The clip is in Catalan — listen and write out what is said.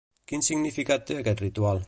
Quin significat té aquest ritual?